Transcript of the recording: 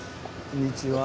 こんにちは。